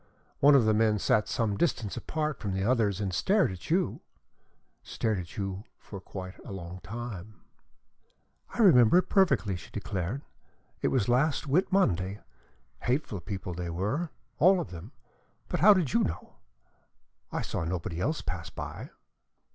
One of the men sat some distance apart from the others and stared at you stared at you for quite a long time." "I remember it perfectly," she declared. "It was last Whit Monday. Hateful people they were, all of them. But how did you know? I saw nobody else pass by."